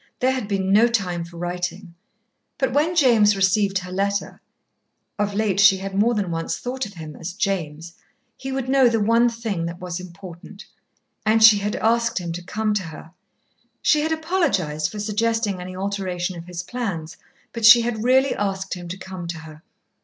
There had been no time for writing. But when James received her letter (of late she had more than once thought of him as "James"), he would know the one thing that was important. And she had asked him to come to her. She had apologised for suggesting any alteration of his plans, but she had really asked him to come to her.